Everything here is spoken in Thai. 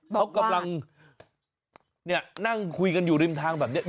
เขากำลังนั่งคุยกันอยู่ริมทางแบบนี้